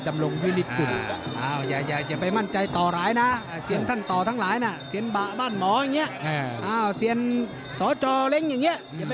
ตราบุรีได้ยังบอกว่าพลิกอีกแล้ว